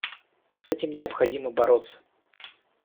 С этим необходимо бороться.